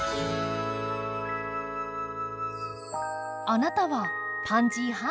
あなたはパンジー派？